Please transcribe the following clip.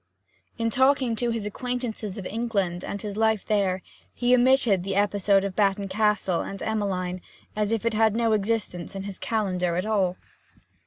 In talking to his acquaintances of England and his life there, he omitted the episode of Batton Castle and Emmeline as if it had no existence in his calendar at all.